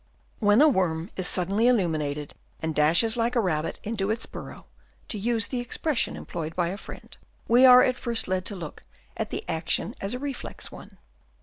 When a worm is suddenly illuminated and dashes like a rabbit into its burrow — to use the expression employed by a friend — we are at first led to look at the action as a reflex one.